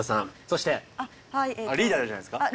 そして？リーダーじゃないですか？